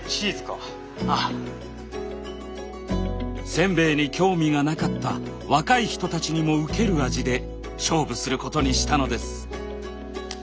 せんべいに興味がなかった若い人たちにもウケる味で勝負することにしたのです。